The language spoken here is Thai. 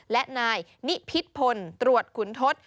และนายนิพิษพลตรวจขุนทศ